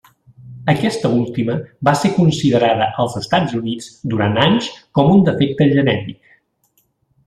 Aquesta última va ser considerada als Estats Units durant anys com un defecte genètic.